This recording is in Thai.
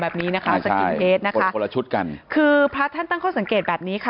แบบนี้นะคะนะคะคนละชุดกันคือพระอาทิตย์ตั้งข้อสังเกตแบบนี้ค่ะ